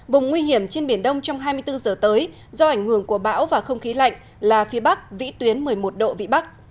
vùng nguy hiểm trên biển đông trong hai mươi bốn giờ tới do ảnh hưởng của bão và không khí lạnh là phía bắc vĩ tuyến một mươi một độ vị bắc